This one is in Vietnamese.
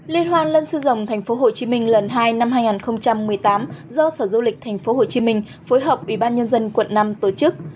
liên hoan lân sư rồng tp hcm lần hai năm hai nghìn một mươi tám do sở du lịch tp hcm phối hợp ủy ban nhân dân quận năm tổ chức